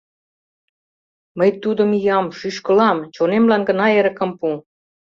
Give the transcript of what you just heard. Мый тудым, иям, шӱшкылам, чонемлан гына эрыкым пу!